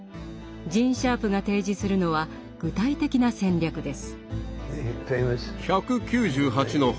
ジーン・シャープが提示するのは具体的な戦略です。